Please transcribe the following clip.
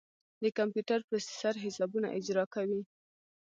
د کمپیوټر پروسیسر حسابونه اجرا کوي.